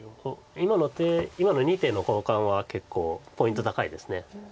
今の２手の交換は結構ポイント高いです。